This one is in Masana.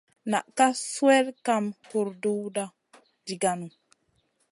Nan ka swel kam hurduwda jiganou.